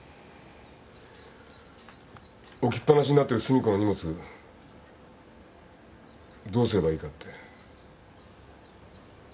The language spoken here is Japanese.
置きっ放しになってる寿美子の荷物どうすればいいかって。